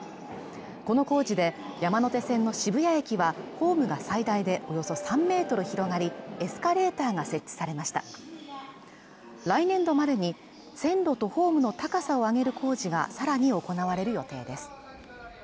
この工事で山手線の渋谷駅はホームが最大でおよそ３ｍ広がりエスカレーターが設置されました来年度までに線路とホームの高さを上げる工事がさらに行われる予定です